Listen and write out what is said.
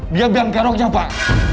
dia bilang peroknya pak